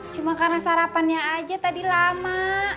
cuma karena sarapannya aja tadi lama